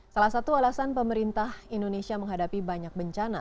salah satu alasan pemerintah indonesia menghadapi banyak bencana